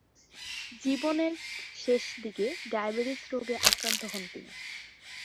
জীবনের শেষদিকে ডায়াবেটিস রোগে আক্রান্ত হন তিনি।